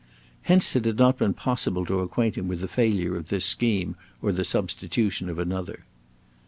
Hence, it had not been possible to acquaint him with the failure of this scheme or the substitution of another.